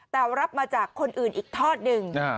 แต่รับมาจากคนอื่นอีกทอดหนึ่ง